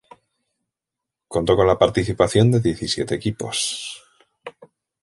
Contó con la participación de diecisiete equipos.